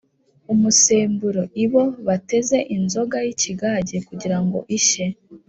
umusemburo: ibo bateza inzoga y’ikigage kugira ngo ishye